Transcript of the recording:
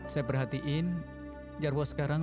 saya perhatiin jarwo sekarang